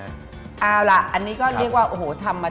เอาล่ะอันนี้ก็เรียกว่าโอ้โหทำมา